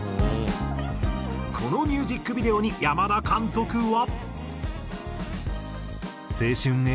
このミュージックビデオに山田監督は。